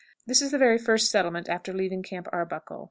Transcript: This is the first settlement after leaving Camp Arbuckle.